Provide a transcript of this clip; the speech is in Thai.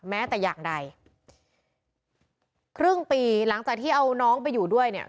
แม้แต่อย่างใดครึ่งปีหลังจากที่เอาน้องไปอยู่ด้วยเนี่ย